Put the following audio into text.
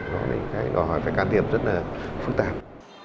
đó là một cái đòi hỏi phải can thiệp rất là phức tạp